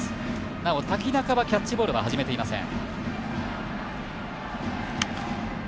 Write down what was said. なお、瀧中はキャッチボールは始めていません。